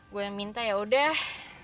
gue yang minta yaudah